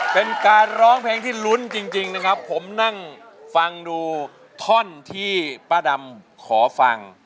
เป็นการร้องเพลงที่ลุ้นจริงนะครับผมนั่งฟังดูท่อนที่ป้าดำขอฟัง